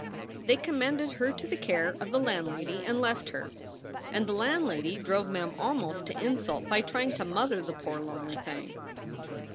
They commended her to the care of the landlady and left her. And the landlady drove Mem almost to insult by trying to mother the poor, lonely thing.